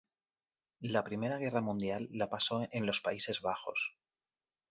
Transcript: La Primera Guerra Mundial, la pasó en los Países Bajos.